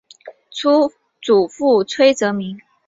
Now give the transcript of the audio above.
祖父崔则明。